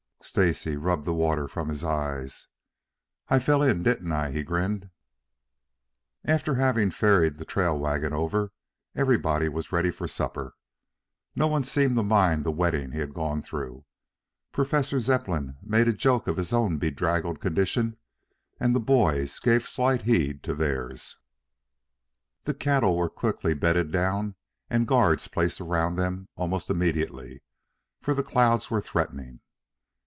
Stacy rubbed the water from his eyes. "I I fell in, didn't I?" he grinned. After having ferried the trail wagon over, everybody was ready for supper. No one seemed to mind the wetting he had gotten. Professor Zepplin made a joke of his own bedraggled condition, and the boys gave slight heed to theirs. The cattle were quickly bedded down and guards placed around them almost immediately, for the clouds were threatening.